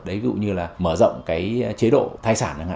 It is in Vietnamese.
ví dụ như là mở rộng chế độ thai sản